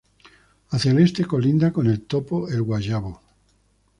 Hacia el Este colinda con el topo El Guayabo.